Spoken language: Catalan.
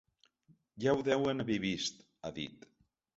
Ja ho deuen haver vist, ha dit.